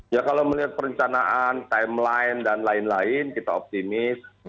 ya kalau melihat perencanaan timeline dan lain lain kita optimis